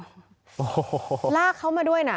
โหหลากเข้ามาด้วยน่ะ